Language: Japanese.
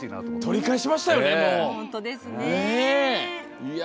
取り返しましたよね。